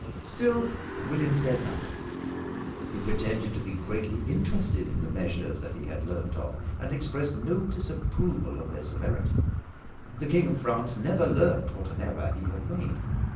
Still William said nothing. He pretended to be greatly interested in the measures that he had learned of and expressed no disapproval of their severity. The King of France never learned what an error he had made.